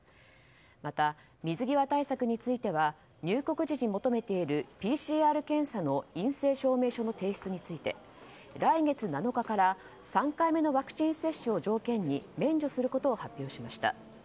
また、水際対策については入国時に求めているＰＣＲ検査の陰性証明書の提出について来月７日から３回目のワクチン接種を条件に免除することを発表しました。